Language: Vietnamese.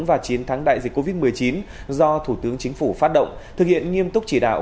và chiến thắng đại dịch covid một mươi chín do thủ tướng chính phủ phát động thực hiện nghiêm túc chỉ đạo